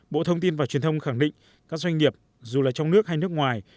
bộ thông tin và truyền thông khẳng định các doanh nghiệp dù là trong nước hay nước ngoài